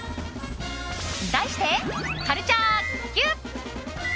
題して、カルチャーＱ！